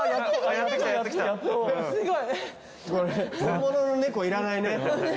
これ本物の猫いらないね。